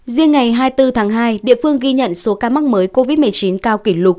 riêng ngày hai mươi bốn tháng hai địa phương ghi nhận số ca mắc mới covid một mươi chín cao kỷ lục